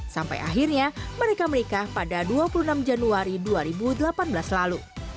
sampai akhirnya mereka menikah pada dua puluh enam januari dua ribu delapan belas lalu